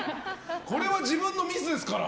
これは自分のミスですから！